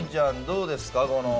どうですか？